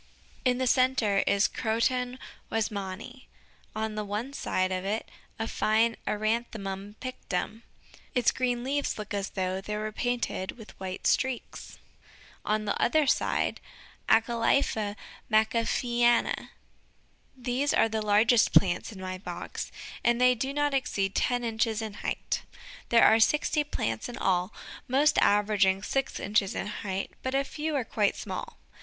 In the center is Croton "Weismanni," on one side of it a fine Eranthemum pictum; its green leaves look as though they were painted with white streaks; on the other side, Acalypha "Macafeeana." These are the largest plants in my box, and they do not exceed ten inches in height. There are sixty plants in all, mostly averaging six inches in height, but a few are quite small.